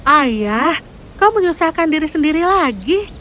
ayah kau menyusahkan diri sendiri lagi